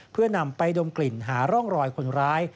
เพื่อนำไปดมกลิ่นหาร่องรอยคนร้าย